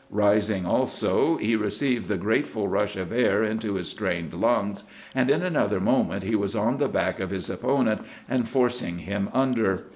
Rising also, he received the grateful rush of air into his strained lungs, and in another moment he was on the back of his opponent and forcing him under.